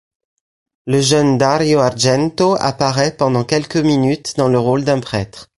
Le jeune Dario Argento apparaît pendant quelques minutes dans le rôle d'un prêtre.